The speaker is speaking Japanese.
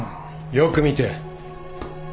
よく見て。